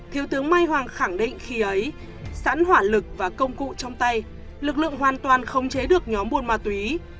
thiếu tướng mai hoàng khẳng định khi ấy sẵn hỏa lực và công cụ trong tay lực lượng hoàn toàn không chế được nhóm buôn ma túy